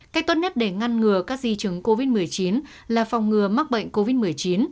cách tốt nhất để ngăn ngừa các di chứng covid một mươi chín là phòng ngừa mắc bệnh covid một mươi chín